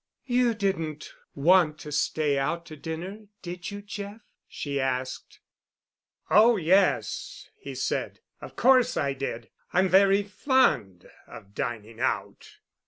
"You didn't want to stay out to dinner, did you, Jeff?" she asked. "Oh, yes," he said, "of course I did. I'm very fond of dining out."